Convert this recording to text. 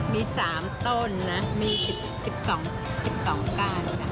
มี๓ต้นนะมี๑๒๑๒ก้านค่ะ